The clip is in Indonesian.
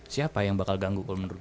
siapa yang bakal ganggu menurut lo